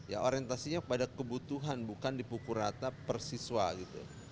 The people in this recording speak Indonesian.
ya orientasinya pada kebutuhan bukan dipukul rata persiswa gitu